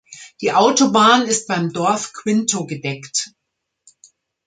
Die Autobahn ist beim Dorf Quinto gedeckt.